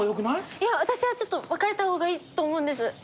私はちょっと分かれた方がいいと思うんです。